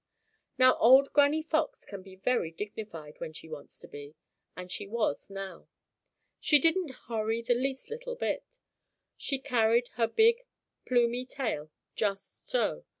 Now old Granny Fox can be very dignified when she wants to be, and she was now. She didn't hurry the least little bit. She carried her big, plumey tail just so.